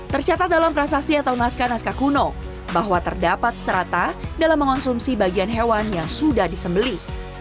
tercatat dalam prasasti atau naskah naskah kuno bahwa terdapat strata dalam mengonsumsi bagian hewan yang sudah disembeli